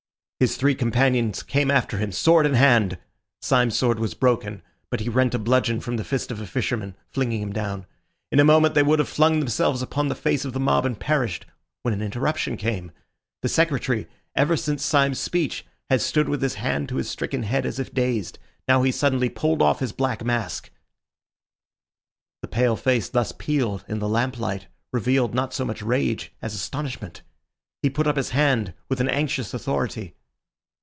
His three companions came after him sword in hand. Syme's sword was broken, but he rent a bludgeon from the fist of a fisherman, flinging him down. In a moment they would have flung themselves upon the face of the mob and perished, when an interruption came. The Secretary, ever since Syme's speech, had stood with his hand to his stricken head as if dazed; now he suddenly pulled off his black mask. The pale face thus peeled in the lamplight revealed not so much rage as astonishment. He put up his hand with an anxious authority.